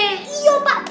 iya pak deh